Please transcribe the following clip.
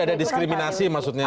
jadi ada diskriminasi maksudnya